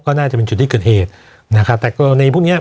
ก็น่าจะเป็นจุดที่เกิดเหตุนะครับแต่กรณีพวกเนี้ย